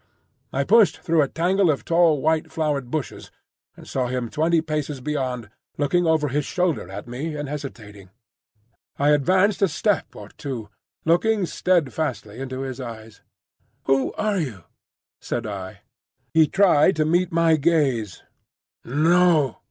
I pushed through a tangle of tall white flowered bushes, and saw him twenty paces beyond, looking over his shoulder at me and hesitating. I advanced a step or two, looking steadfastly into his eyes. "Who are you?" said I. He tried to meet my gaze. "No!"